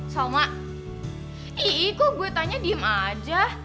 salma iiih kok gue tanya diem aja